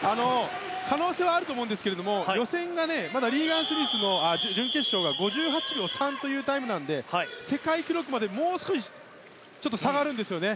可能性はあると思いますがリーガン・スミスが準決勝が５８秒３というタイムなので世界記録までもう少しちょっと差があるんですよね。